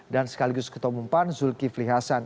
dan sekaligus ketua bumpan zulkifli hasan